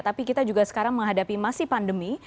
tapi kita juga sekarang menghadapi masih pandemi